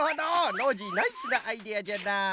ノージーナイスなアイデアじゃな！